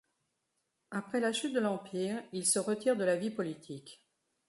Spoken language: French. Après la chute de l'Empire, il se retire de la vie politique.